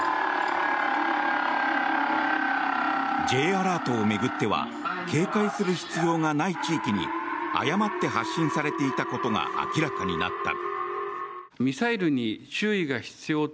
Ｊアラートを巡っては警戒する必要がない地域に誤って発信されていたことが明らかになった。